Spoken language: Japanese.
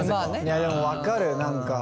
でも分かる何か。